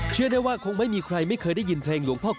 เชื่อได้ว่าคงไม่มีใครไม่เคยได้ยินเพลงหลวงพ่อค